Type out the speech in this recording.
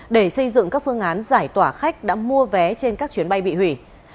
để xây dựng các phương án giải tỏa khách đã mua vé trên các chuyến bay bị hủy